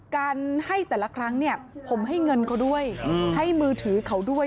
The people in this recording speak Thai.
การให้แต่ละครั้งเนี่ยผมให้เงินเขาด้วยให้มือถือเขาด้วย